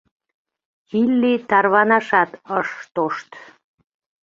Илли тарванашат ыш тошт.